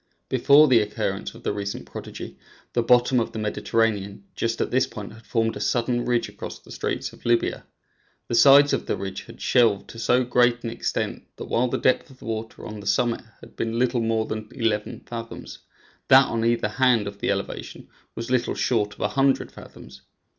Before the occurrence of the recent prodigy, the bottom of the Mediterranean just at this point had formed a sudden ridge across the Straits of Libya. The sides of the ridge had shelved to so great an extent that, while the depth of water on the summit had been little more than eleven fathoms, that on either hand of the elevation was little short of a hundred fathoms.